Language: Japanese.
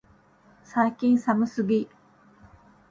最近寒すぎ、